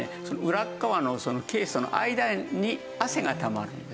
裏側のケースの間に汗がたまるんですね。